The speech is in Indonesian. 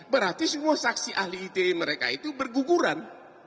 berarti semua saksi ahli ite mereka itu berguguran